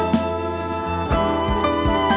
สวัสดีค่ะ